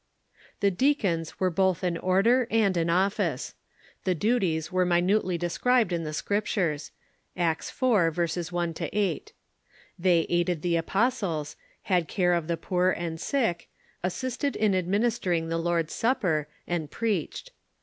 The deacons were both an order and an office. The duties are minutely described in the Scriptures (Acts vi. 1 8). They aided the apostles, had care of the poor and sick, assisted in administering the Lord's Supper, and preached.